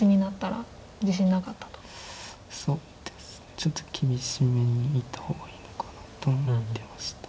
ちょっと厳しめに見た方がいいのかなと思ってました。